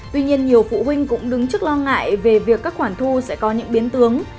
tuy nhiên nhiều phụ huynh cũng đứng trước lo ngại về việc các khoản thu sẽ có những biến tướng